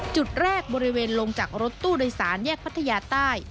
จุดแรกบริเวณลงจากรถตู้โดยสารแยกพัทยาใต้